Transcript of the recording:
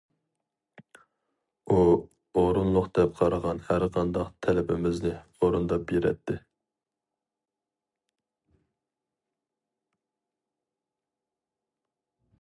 ئۇ ئورۇنلۇق دەپ قارىغان ھەرقانداق تەلىپىمىزنى ئورۇنداپ بېرەتتى.